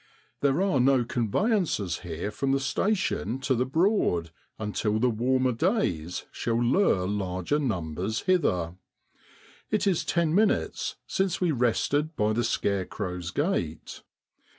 There are no conveyances here from the station to the Broad until the warmer days shall lure larger numbers hither. It is ten minutes since we rested by the scarecrow's gate.